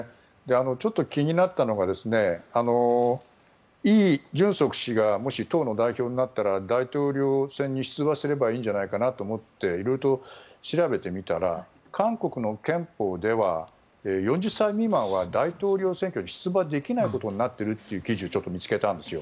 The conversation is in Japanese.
ちょっと気になったのがイ・ジュンソク氏がもし、党の代表になったら大統領選に出馬すればいいんじゃないかなと思って色々と調べてみたら韓国の憲法では４０歳未満は大統領選挙に出馬できないことになっているという記事をちょっと見つけたんですよ。